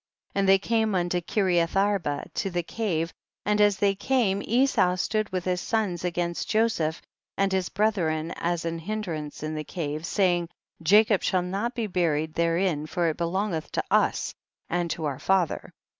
50. And they came unto Kireath arba, to the cave, and as they came Esau stood with his sons against Jo seph and his brethren as an hindrance in the cave, saying, Jacob shall not be buried therein, for it belongeth to us and to our father.